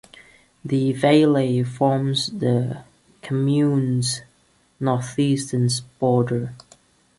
The Veyle forms the commune's northeastern border.